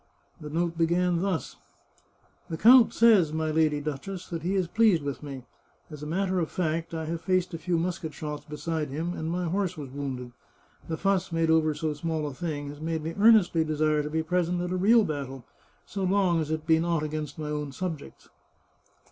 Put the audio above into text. The note began thus :" The count says, my Lady Duchess, that he is pleased with me. As a matter of fact, I have faced a few musket shots beside him, and my horse was wounded. The fuss made over so small a thing has made me earnestly desire to be present at a real battle, so long as it be not against my own subjects.